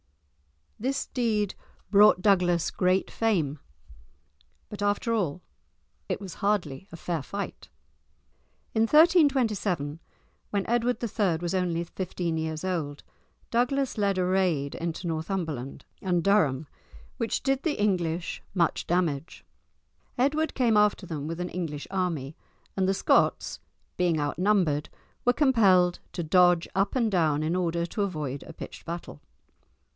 This deed brought Douglas great fame, but after all it was hardly a fair fight. In 1327, when Edward III. was only fifteen years old, Douglas led a raid into Northumberland and Durham which did the English much damage. Edward came after them with an English army, and the Scots, being outnumbered, were compelled to dodge up and down in order to avoid a pitched battle.